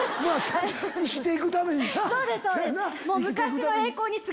生きて行くためにな。